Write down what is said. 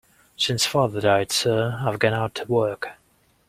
Since father died, sir, I've gone out to work.